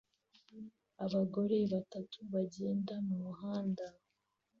Abagore batatu bagenda mumuhanda